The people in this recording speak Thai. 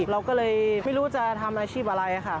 เราก็เลยไม่รู้จะทำอาชีพอะไรค่ะ